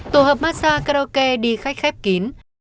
tổ hợp massa karaoke đi khách khép kín